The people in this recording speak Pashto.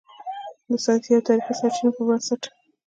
د "ساینسي او تاریخي سرچینو" پر بنسټ